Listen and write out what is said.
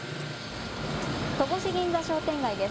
戸越銀座商店街です。